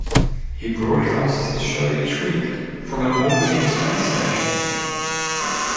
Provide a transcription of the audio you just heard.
He broadcasts his show each week from an orbiting space station.